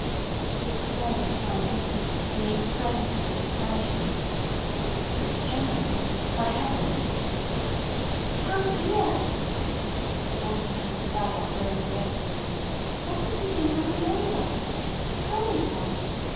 He exclaimed scientifically, in the extremity of his astonishment: "The degenerate—by heavens!" "Come here." The voice of Mrs Verloc rose again. "What did he think I was made of? Tell me, Tom.